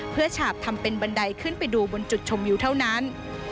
เพื่อฉาบทำเป็นบันไดขึ้นไปดูบนจุดชมวิวเท่านั้น